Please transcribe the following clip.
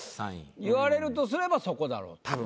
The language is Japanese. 言われるとすればそこだろうと。